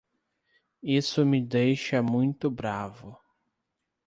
Isso me deixa muito bravo.